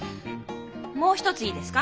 もう一ついいですか？